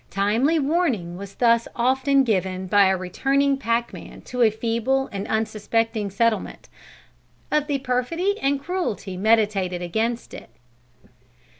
Timely warning was thus often given by a returning packman to a feeble and unsuspecting settlement, of the perfidy and cruelty meditated against it."